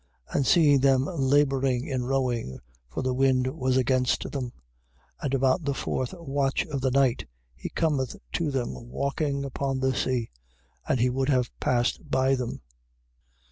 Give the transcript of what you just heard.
6:48. And seeing them labouring in rowing, (for the wind was against them,) and about the fourth watch of the night, he cometh to them walking upon the sea, and he would have passed by them.